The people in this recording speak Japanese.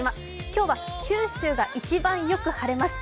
今日は九州が一番よく晴れます。